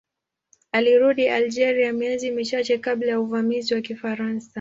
Alirudi Algeria miezi michache kabla ya uvamizi wa Kifaransa.